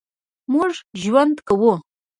مونږ ژوند کوو